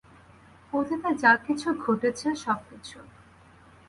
অতীতে যা কিছু ঘটেছে সবকিছু।